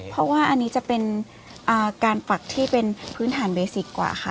เพราะว่าอันนี้จะเป็นการปักที่เป็นพื้นฐานเบสิกกว่าค่ะ